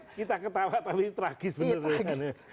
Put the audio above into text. kita ketawa tapi tragis bener tangannya